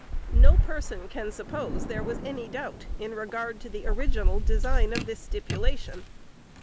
No person can suppose there was any doubt in regard to the original design of this stipulation.